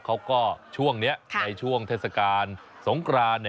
ช่วงนี้ในช่วงเทศกาลสงกราน